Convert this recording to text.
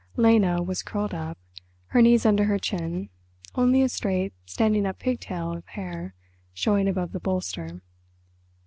Lena was curled up, her knees under her chin, only a straight, standing up pigtail of hair showing above the bolster.